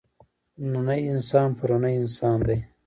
نننی انسان پروني انسان دی.